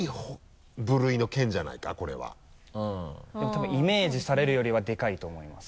多分イメージされるよりはでかいと思います。